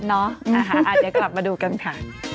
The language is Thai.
เดี๋ยวกลับมาดูกันค่ะ